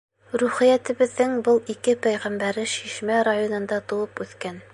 Рухиәтебеҙҙең был ике пәйғәмбәре Шишмә районында тыуып үҫкән.